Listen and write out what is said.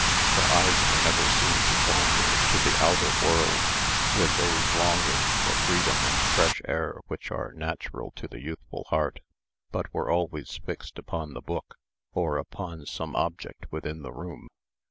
Her eyes were never seen to wander to the outer world with those longings for freedom and fresh air which are natural to the youthful heart, but were always fixed upon the book, or upon some object within the room.